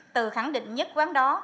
từ khẳng định nhất quán đó